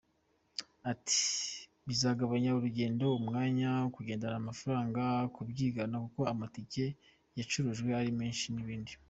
Ati “Bizagabanya urugendo, umwanya, kugendana amafaranga, kubyigana kuko amatike yacurujwe ari menshi n’ibindi.